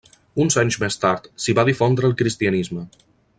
Uns anys més tard s'hi va difondre el cristianisme.